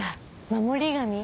守り神？